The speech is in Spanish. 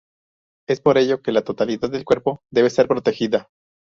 Es por ello que la totalidad del cuerpo debe ser protegida.